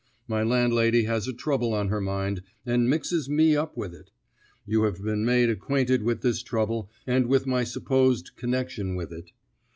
My landlady has a trouble on her mind, and mixes me up with it. You have been made acquainted with this trouble and with my supposed connection with it.